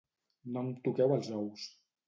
No em toqueu els ous.